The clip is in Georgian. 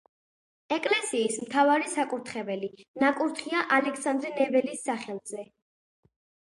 ეკლესიის მთავარი საკურთხეველი ნაკურთხია ალექსანდრე ნეველის სახელზე.